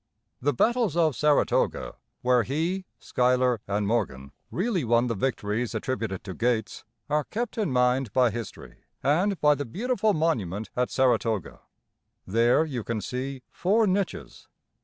The battles of Saratoga, where he, Schuyler, and Morgan really won the victories attributed to Gates, are kept in mind by history and by the beautiful monument at Saratoga. There you can see four niches.